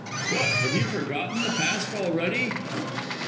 What, have you forgotten the past already?"